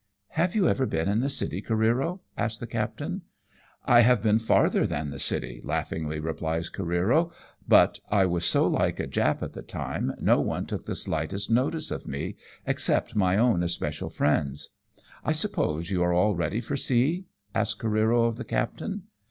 '•' Have you ever been in the city, Careero ?" asks the captain. "I have been farther than the city," laughingly replies Careero, " but I was so like a Jap at the time, i86 AMONG TYPHOONS AND PIRATE CRAFT. no one took the slightest notice of me, except my own especial friends. I suppose you are all ready for sea?" asks Careero of the captain.